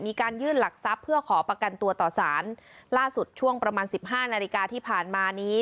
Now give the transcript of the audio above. มีการยื่นหลักทรัพย์เพื่อขอประกันตัวต่อสารล่าสุดช่วงประมาณสิบห้านาฬิกาที่ผ่านมานี้